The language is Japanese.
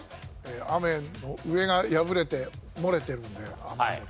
「雨」の上が破れて漏れてるんで雨漏り。